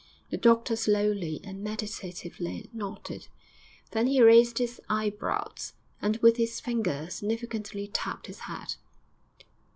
The doctor slowly and meditatively nodded, then he raised his eyebrows, and with his finger significantly tapped his head....